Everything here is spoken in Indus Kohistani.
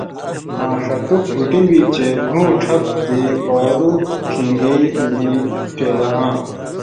آں ݜتک گُٹُمبیۡ چےۡ گھو ڇھپ دی پاریۡ کِھن٘گی نی ڇېلاہاں،